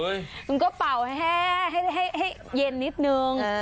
มันก็เป่าแห้ให้เย็นนิดนึง